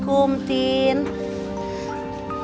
aku mau pergi minta maaf sama paps mams